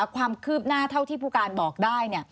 ความคืบหน้าเท่าที่ผู้การบอกได้